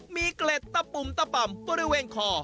มีเกล็ดตะปุ่มตะป่ำบริเวณคอ